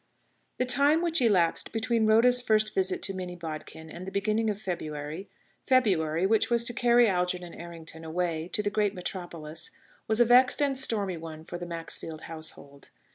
The time which elapsed between Rhoda's first visit to Minnie Bodkin and the beginning of February February, which was to carry Algernon Errington away to the great metropolis was a vexed and stormy one for the Maxfield household.